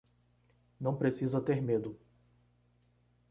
Não precisa ter medo.